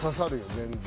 全然。